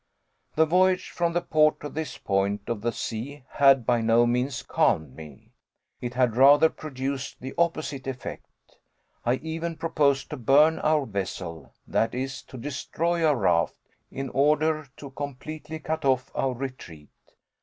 The voyage from the port to this point of the sea had by no means calmed me. It had rather produced the opposite effect. I even proposed to burn our vessel, that is, to destroy our raft, in order to completely cut off our retreat.